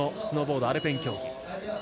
スノーボード・アルペン競技。